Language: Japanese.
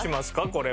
これ。